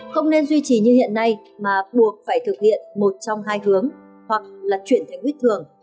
không nên duy trì như hiện nay mà buộc phải thực hiện một trong hai hướng hoặc là chuyển thành huyết thường